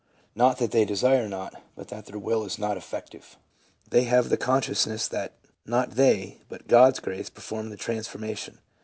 Not that they desire not, but that their will is not effective. They have the consciousness that not they, but God's grace performed the transformation.